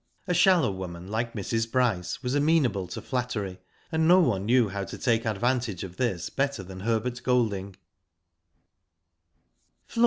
A shallow woman like Mrs. Bryce was amenable to flattery, and no one knew how to take advantage of this better than Herbert Golding.